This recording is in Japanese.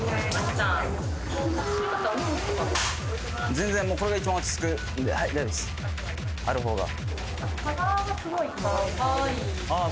全然これが一番落ち着くんで大丈夫ですあるほうがああ